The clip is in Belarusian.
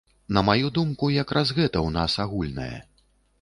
На маю думку якраз гэта ў нас агульнае.